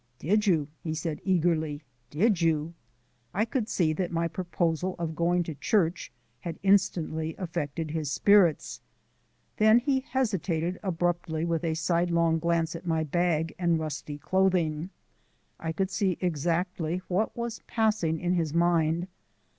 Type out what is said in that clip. "Did you?" he asked eagerly. "Did you?" I could see that my proposal of going to church had instantly affected his spirits. Then he hesitated abruptly with a sidelong glance at my bag and rusty clothing. I could see exactly what was passing in his mind.